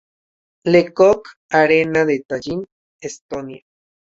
Le Coq Arena de Tallin, Estonia.